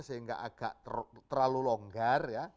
sehingga agak terlalu longgar